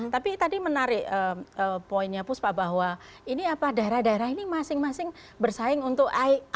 tapi tadi menarik poinnya puspa bahwa ini apa daerah daerah ini masing masing bersaing untuk